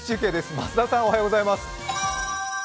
増田さん、おはようございます。